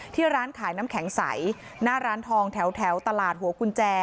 ร้านขายน้ำแข็งใสหน้าร้านทองแถวตลาดหัวกุญแจ